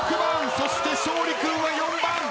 そして勝利君は４番。